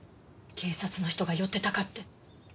警察の人が寄ってたかって。